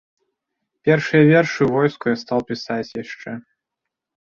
Першыя вершы ў войску я стаў пісаць яшчэ.